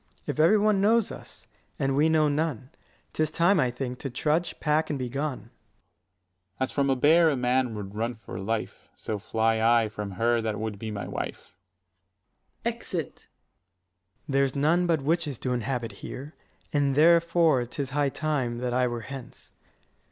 If every one knows us, and we know none, 150 'Tis time, I think, to trudge, pack, and be gone. Dro. S. As from a bear a man would run for life, So fly I from her that would be my wife. [Exit. Ant. S. There's none but witches do inhabit here; And therefore 'tis high time that I were hence.